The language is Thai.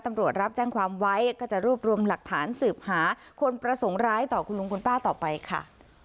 รับแจ้งความไว้ก็จะรวบรวมหลักฐานสืบหาคนประสงค์ร้ายต่อคุณลุงคุณป้าต่อไปค่ะ